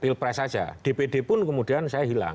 pilpres saja dpd pun kemudian saya hilang